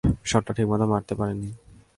শটটা ঠিকমত মারতে পারেননি!